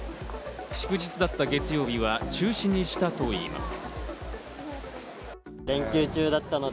祝日だった月曜日は中止にしたといいます。